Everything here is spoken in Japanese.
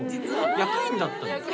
役員だったの？